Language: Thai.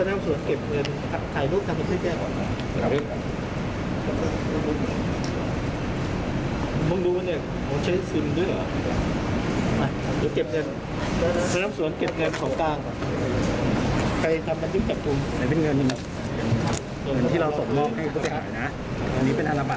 ต้องยึดเลยหรอพี่